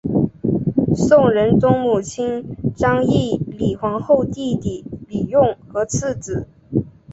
宋仁宗母亲章懿李皇后弟弟李用和次子。